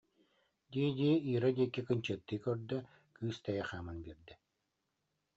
дии-дии Ира диэки кынчыаттыы көрдө, кыыс тэйэ хааман биэрдэ